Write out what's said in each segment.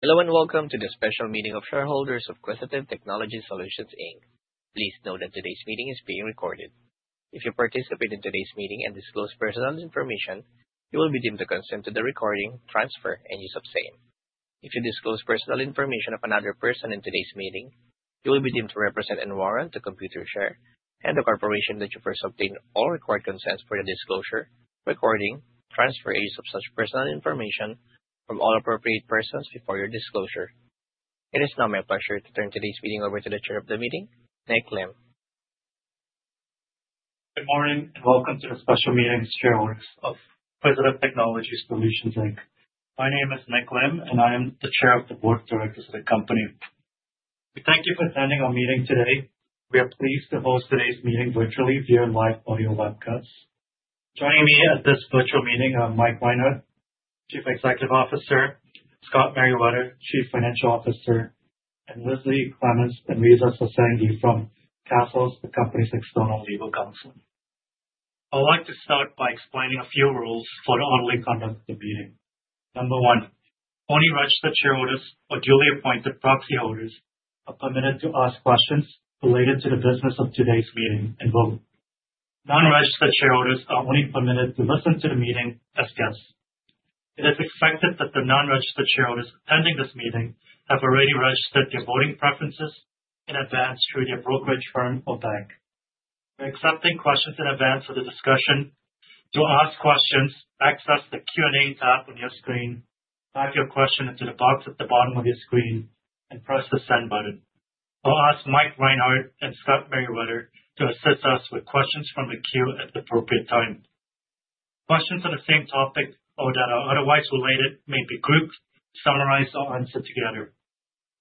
Hello, welcome to the special meeting of shareholders of Quisitive Technology Solutions, Inc. Please note that today's meeting is being recorded. If you participate in today's meeting and disclose personal information, you will be deemed to consent to the recording, transfer, and use of same. If you disclose personal information of another person in today's meeting, you will be deemed to represent and warrant to Computershare and the corporation that you first obtained all required consents for the disclosure, recording, transfer, or use of such personal information from all appropriate persons before your disclosure. It is now my pleasure to turn today's meeting over to the chair of the meeting, Nick Lim. Good morning, and welcome to the special meeting of shareholders of Quisitive Technology Solutions, Inc. My name is Nick Lim, and I am the Chair of the Board of Directors of the company. We thank you for attending our meeting today. We are pleased to host today's meeting virtually via live audio webcast. Joining me at this virtual meeting are Mike Reinhart, Chief Executive Officer, Scott Meriwether, Chief Financial Officer, and Lindsay Clements and Reza Sarsangi from Cassels, the company's external legal counsel. I'd like to start by explaining a few rules for the orderly conduct of the meeting. Number one, only registered shareholders or duly appointed proxy holders are permitted to ask questions related to the business of today's meeting and vote. Non-registered shareholders are only permitted to listen to the meeting as guests. It is expected that the non-registered shareholders attending this meeting have already registered their voting preferences in advance through their brokerage firm or bank. We're accepting questions in advance of the discussion. To ask questions, access the Q&A tab on your screen, type your question into the box at the bottom of your screen, and press the send button. I'll ask Mike Reinhart and Scott Meriwether to assist us with questions from the queue at the appropriate time. Questions on the same topic or that are otherwise related may be grouped, summarized, or answered together.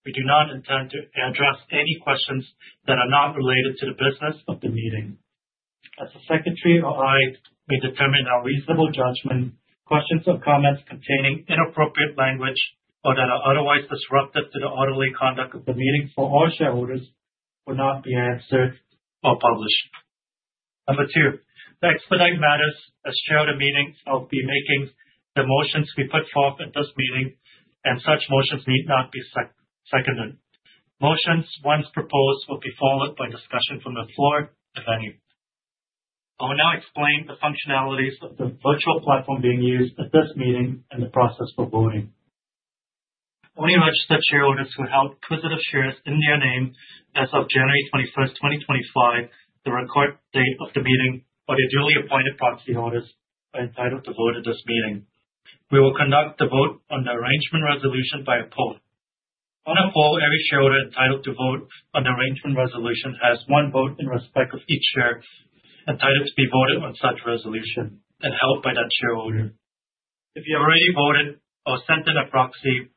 We do not intend to address any questions that are not related to the business of the meeting. As the secretary or I may determine in our reasonable judgment, questions or comments containing inappropriate language or that are otherwise disruptive to the orderly conduct of the meeting for all shareholders will not be answered or published. Number two, to expedite matters, as Chair of the meeting, I'll be making the motions we put forth at this meeting, and such motions need not be seconded. Motions, once proposed, will be followed by discussion from the floor, if any. I will now explain the functionalities of the virtual platform being used at this meeting and the process for voting. Only registered shareholders who held Quisitive shares in their name as of January 21st, 2025, the record date of the meeting or their duly appointed proxy holders are entitled to vote at this meeting. We will conduct the vote on the arrangement resolution by poll. On a poll, every shareholder entitled to vote on the arrangement resolution has one vote in respect of each share entitled to be voted on such resolution and held by that shareholder. If you already voted or sent in a proxy,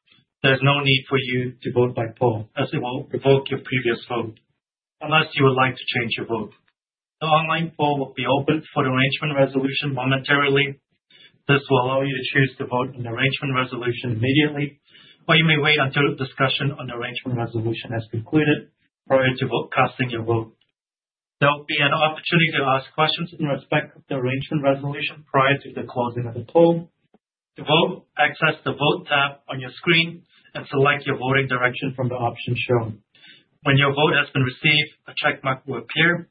there is no need for you to vote by poll, as it will revoke your previous vote, unless you would like to change your vote. The online poll will be open for the arrangement resolution momentarily. This will allow you to choose to vote on the arrangement resolution immediately, or you may wait until the discussion on the arrangement resolution has concluded prior to casting your vote. There will be an opportunity to ask questions in respect of the arrangement resolution prior to the closing of the poll. To vote, access the Vote tab on your screen and select your voting direction from the options shown. When your vote has been received, a check mark will appear.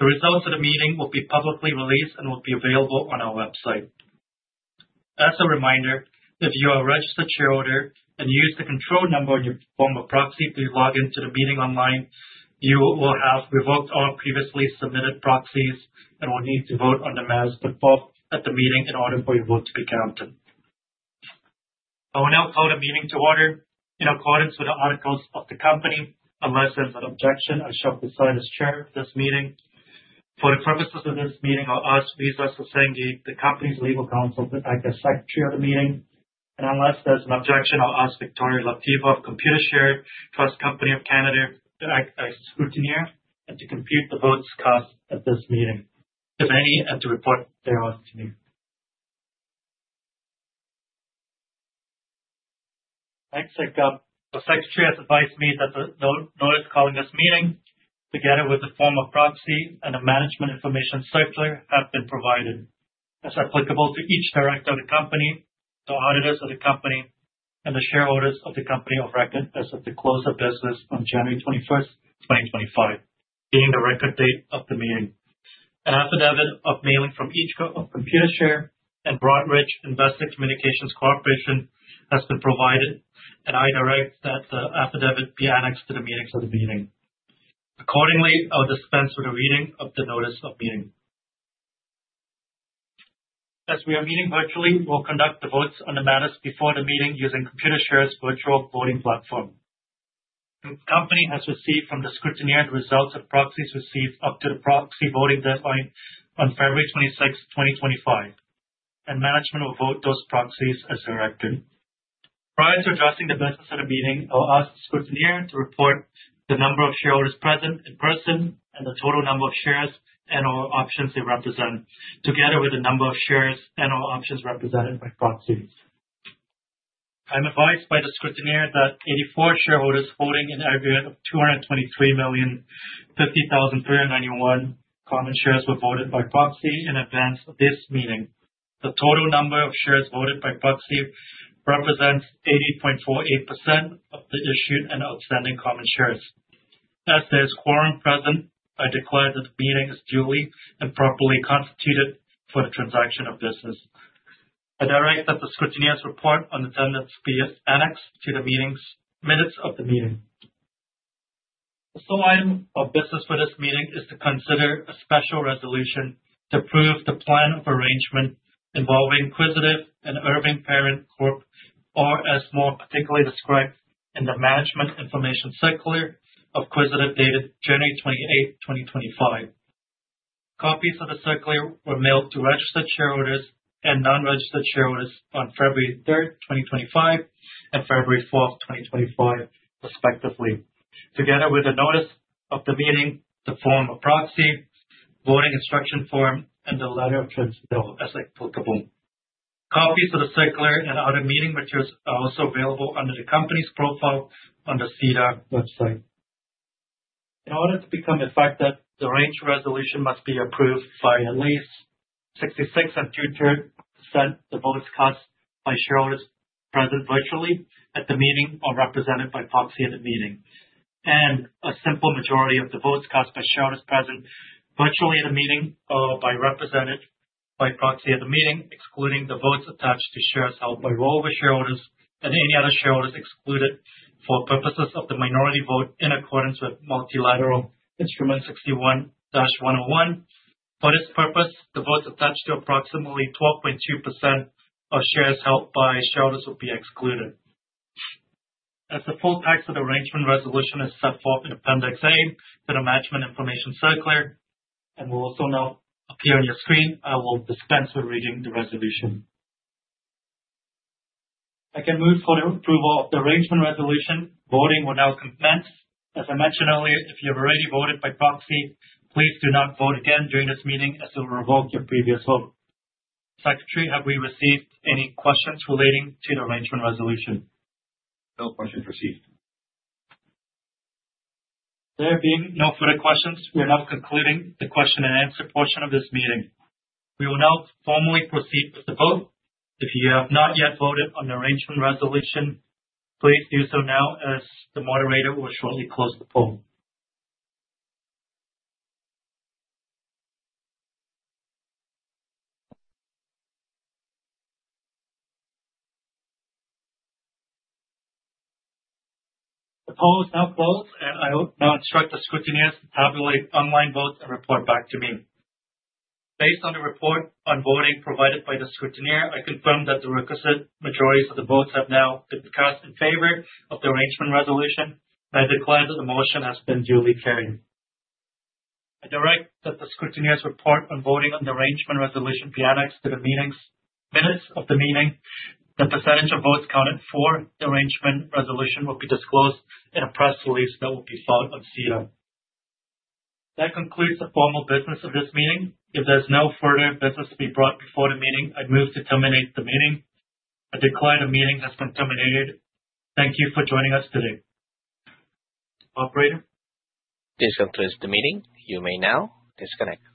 The results of the meeting will be publicly released and will be available on our website. As a reminder, if you are a registered shareholder and you use the control number on your form of proxy to log in to the meeting online, you will have revoked all previously submitted proxies and will need to vote on the matters put forth at the meeting in order for your vote to be counted. I will now call the meeting to order. In accordance with the articles of the company, unless there's an objection, I shall preside as Chair of this meeting. For the purposes of this meeting, I'll ask Reza Sarsangi, the company's legal counsel, to act as Secretary of the meeting. Unless there's an objection, I'll ask Viktoria Laptiva of Computershare Trust Company of Canada to act as scrutineer and to compute the votes cast at this meeting, if any, and to report thereof to me. The secretary has advised me that the notice calling this meeting, together with a form of proxy and a management information circular, have been provided. As applicable to each director of the company, the auditors of the company, and the shareholders of the company of record as of the close of business on January 21st, 2025, being the record date of the meeting. An affidavit of mailing from each group of Computershare and Broadridge Investor Communications Corporation has been provided, and I direct that the affidavit be annexed to the minutes of the meeting. Accordingly, I'll dispense with the reading of the notice of meeting. As we are meeting virtually, we'll conduct the votes on the matters before the meeting using Computershare's virtual voting platform. The company has received from the scrutineer the results of proxies received up to the proxy voting deadline on February 26, 2025. Management will vote those proxies as directed. Prior to addressing the business of the meeting, I'll ask the scrutineer to report the number of shareholders present in person and the total number of shares and/or options they represent, together with the number of shares and/or options represented by proxies. I'm advised by the scrutineer that 84 shareholders holding in aggregate of 223,050,391 common shares were voted by proxy in advance of this meeting. The total number of shares voted by proxy represents 80.48% of the issued and outstanding common shares. As there's quorum present, I declare that the meeting is duly and properly constituted for the transaction of business. I direct that the scrutineer's report on attendance be it annexed to the minutes of the meeting. The sole item of business for this meeting is to consider a special resolution to approve the plan of arrangement involving Quisitive and Irving Parent Corp, or as more particularly described in the management information circular of Quisitive dated January 28th, 2025. Copies of the circular were mailed to registered shareholders and non-registered shareholders on February 3rd, 2025, and February 4th, 2025, respectively, together with a notice of the meeting, the form of proxy, voting instruction form, and the letter of transmittal as applicable. Copies of the circular and other meeting materials are also available under the company's profile on the SEDAR website. In order to become effective, the arranged resolution must be approved by at least 66⅔% the votes cast by shareholders present virtually at the meeting or represented by proxy at the meeting. A simple majority of the votes cast by shareholders present virtually at the meeting or represented by proxy at the meeting, excluding the votes attached to shares held by rollover shareholders and any other shareholders excluded for purposes of the minority vote in accordance with Multilateral Instrument 61-101. For this purpose, the votes attached to approximately 12.2% of shares held by shareholders will be excluded. As the full text of the arrangement resolution is set forth in Appendix A to the management information circular, and will also now appear on your screen, I will dispense with reading the resolution. I can move for the approval of the arrangement resolution. Voting will now commence. As I mentioned earlier, if you have already voted by proxy, please do not vote again during this meeting, as it'll revoke your previous vote. Secretary, have we received any questions relating to the arrangement resolution? No questions received. There being no further questions, we are now concluding the question and answer portion of this meeting. We will now formally proceed with the vote. If you have not yet voted on the arrangement resolution, please do so now as the moderator will shortly close the poll. The poll is now closed, I will now instruct the scrutineers to tabulate online votes and report back to me. Based on the report on voting provided by the scrutineer, I confirm that the requisite majorities of the votes have now been cast in favor of the arrangement resolution, and I declare that the motion has been duly carried. I direct that the scrutineer's report on voting on the arrangement resolution be annexed to the minutes of the meeting. The percentage of votes counted for the arrangement resolution will be disclosed in a press release that will be filed on SEDAR. That concludes the formal business of this meeting. If there's no further business to be brought before the meeting, I'd move to terminate the meeting. I declare the meeting has been terminated. Thank you for joining us today. Operator. This concludes the meeting. You may now disconnect.